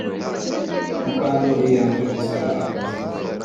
Mukandoli yanze gusaba akazi